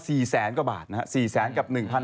๔แสนกว่าบาทนะฮะ๔แสนกับ